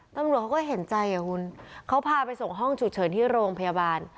ตำรวจเขาก็เห็นใจอ่ะคุณเขาพาไปส่งห้องฉุกเฉินที่โรงพยาบาล